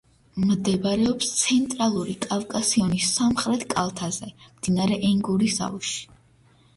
მდებარეობს ცენტრალური კავკასიონის სამხრეთ კალთაზე, მდინარე ენგურის აუზში.